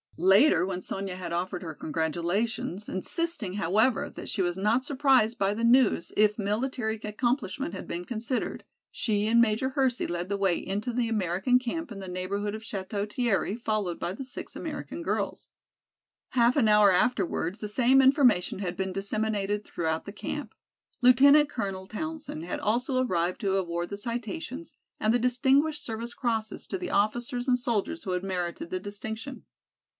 Later, when Sonya had offered her congratulations, insisting, however, that she was not surprised by the news if military accomplishment had been considered, she and Major Hersey led the way into the American camp in the neighborhood of Château Thierry followed by the six American girls. Half an hour afterwards the same information had been disseminated throughout the camp. Lieutenant Colonel Townsend had also arrived to award the citations and the Distinguished Service Crosses to the officers and soldiers who had merited the distinction.